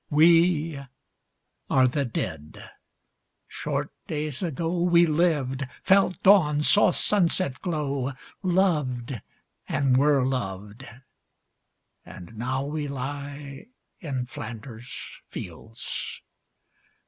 We are the Dead. Short days ago We lived, felt dawn, saw sunset glow, Loved, and were loved, and now we lie In Flanders fields.